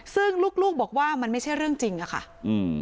ซึ่งลูกลูกบอกว่ามันไม่ใช่เรื่องจริงอะค่ะอืม